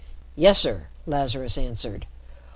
"Yes, sir," Lazarus answered.